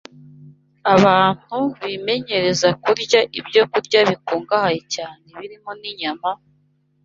Abantu bimenyereza kurya ibyokurya bikungahaye cyane birimo n’inyama,